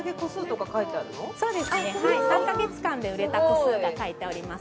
そうですね３カ月間で売れた個数が書いております